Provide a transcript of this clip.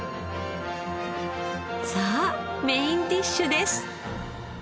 さあメインディッシュです。